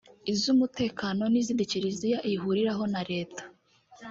iz’umutekano n’izindi kiliziya ihuriraho na leta